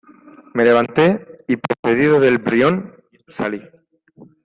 me levanté, y precedido de Brión , salí.